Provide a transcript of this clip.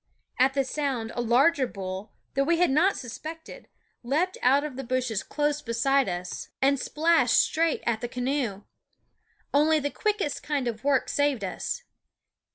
At the sound a larger bull, that we had not suspected, leaped out of the bushes close beside us and splashed straight at the canoe. Only the quickest kind of work saved us.